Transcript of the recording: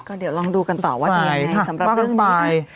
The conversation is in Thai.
ก็เดี๋ยวลองดูกันต่อว่าจะยังไงสำหรับเรื่องบาย